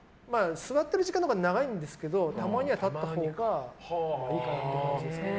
座っている時間のほうが長いんですけどたまには立ったほうがいいかなという感じですね。